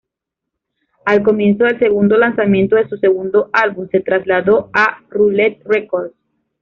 Al comienzo del segundo lanzamiento de su segundo álbum, se trasladó a Roulette Records.